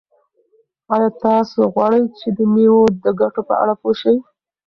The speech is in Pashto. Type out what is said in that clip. آیا تاسو غواړئ چې د مېوو د ګټو په اړه پوه شئ؟